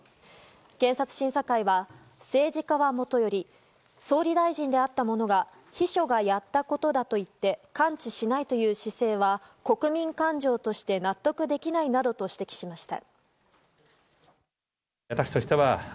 検察審査会は政治家はもとより総理大臣であったものが秘書がやったことだと言って関知しないという姿勢は国民感情として納得できないなどと指摘しました。